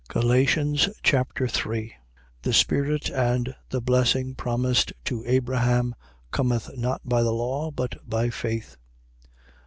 Galatians Chapter 3 The Spirit, and the blessing promised to Abraham cometh not by the law, but by faith.